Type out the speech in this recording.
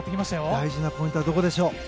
大事なポイントはどこでしょう？